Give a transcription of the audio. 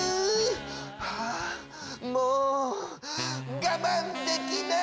はぁもうがまんできない！